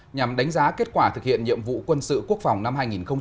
nhằm đánh giá kết quả thực hiện nhiệm vụ quân sự quốc phòng năm hai nghìn một mươi chín